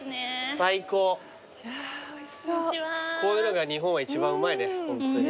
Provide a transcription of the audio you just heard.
こういうのが日本は一番うまいねホントに。